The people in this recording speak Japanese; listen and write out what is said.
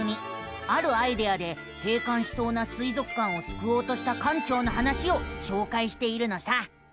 あるアイデアで閉館しそうな水族館をすくおうとした館長の話をしょうかいしているのさ。